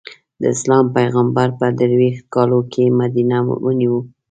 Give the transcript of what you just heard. د اسلام پېغمبر په درویشت کالو کې مدینه ونیو.